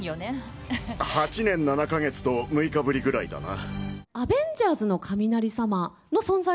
８年７か月と６日ぶりくらいだな。